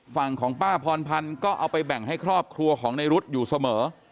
ฝั่งของป้าพรพันธ์ก็เอาไปแบ่งให้ครอบครัวของในรุ๊ดอยู่เสมอ